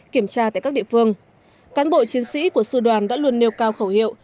kiểm tra tại các địa phương cán bộ chiến sĩ của sư đoàn đã luôn nêu cao khẩu hiệu